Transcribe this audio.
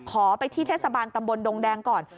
ขอไปที่เทศบาลตำบลดงแดงก่อน